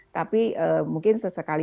tapi mungkin sesekali